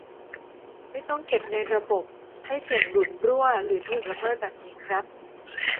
ไม่ต้องเก็บไว้ในระบบให้เสี่ยงหลุดรั่วหรือถูกละเมิดแบบนี้ครับ